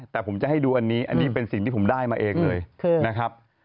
แต่ผมจะให้ดูอันนี้อันนี้เป็นสิ่งที่ผมได้มาเองเลยนะครับ